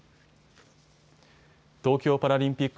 東京パラリンピック